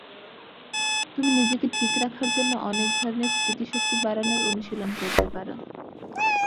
তুমি নিজেকে ঠিক রাখার জন্য অনেক ধরনের স্মৃতিশক্তি বাড়ানোর অনুশীলন করতে পারো।